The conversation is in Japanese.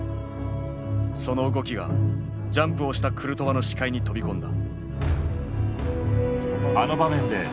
その動きがジャンプをしたクルトワの視界に飛び込んだ。